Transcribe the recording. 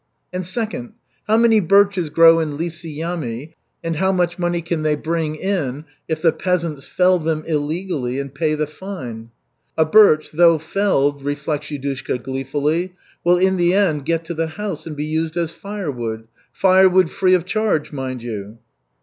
And, second, how many birches grow in Lisy Yamy and how much money can they bring in if the peasants fell them illegally and pay the fine? "A birch, though felled," reflects Yudushka gleefully, "will in the end get to the house and be used as firewood firewood free of charge, mind you!"